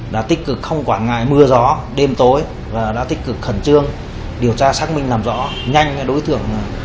đã tích cực không quản ngại mưa gió đêm tối và đã tích cực khẩn trương điều tra xác minh làm rõ nhanh đối tượng